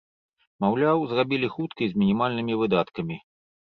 Маўляў, зрабілі хутка і з мінімальнымі выдаткамі.